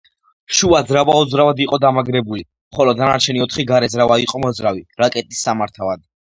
შუა ძრავა უძრავად იყო დამაგრებული, ხოლო დანარჩენი ოთხი გარე ძრავა იყო მოძრავი, რაკეტის სამართავად.